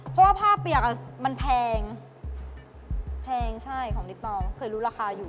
เพราะว่าผ้าเปียกมันแพงแพงใช่ของลิปตองเคยรู้ราคาอยู่